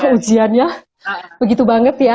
ujiannya begitu banget ya